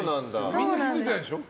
みんな気付いてないでしょ。